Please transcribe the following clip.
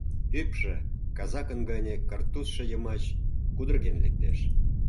Ӱпшӧ казакын гане картузшо йымач кудырген лектеш.